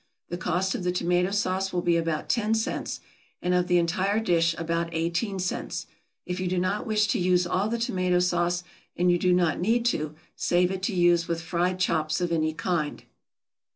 The cost of the tomato sauce will be about ten cents, and of the entire dish about eighteen cents. If you do not wish to use all the tomato sauce, and you do not need to, save it to use with fried chops of any kind.